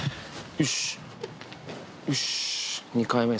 よし。